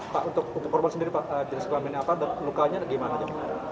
pak untuk korban sendiri jenis kelaminnya apa dan lukanya bagaimana